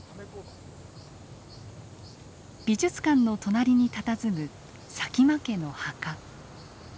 美術館の隣にたたずむ佐喜眞家の墓。